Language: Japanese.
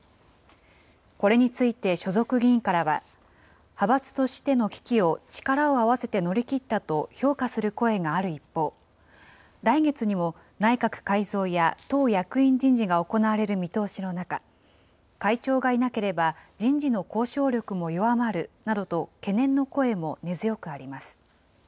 これについて所属議員からは、派閥としての危機を力を合わせて乗り切ったと評価する声がある一方、来月にも内閣改造や党役員人事が行われる見通しの中、会長がいなければ、人事の交渉力も弱まるなどと懸念の声も根強くあります。